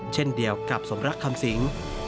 เช่นเดียวกับสมรักคำสิง